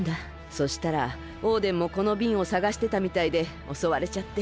そしたらオーデンもこのびんをさがしてたみたいでおそわれちゃって。